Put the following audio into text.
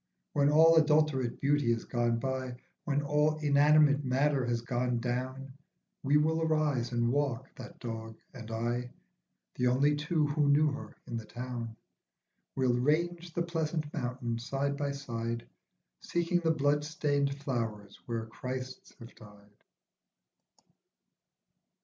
When all adulterate beauty has gone by, When all inanimate matter has gone down, We will arise and walk, that dog and I, The only two who knew her in the town. We'll range the pleasant mountain side by side, Seeking the blood stained flowers where Christs have died.